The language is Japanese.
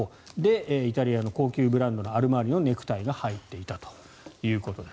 イタリアの高級ブランドのアルマーニのネクタイが入っていたということです。